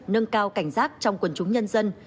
nâng cao cảnh giác trong quần chúng nhân dân